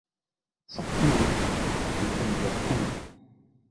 Son iwi était Ngā Puhi.